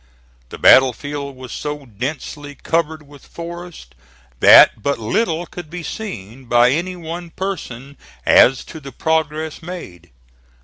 The battle field was so densely covered with forest that but little could be seen, by any one person, as to the progress made.